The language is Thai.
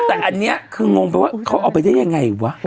แต่อันนี้คืองงไปว่าเขาเอาไปได้ยังไงวะ